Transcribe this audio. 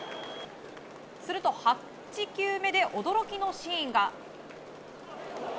すると、８球目で驚きのシーンが。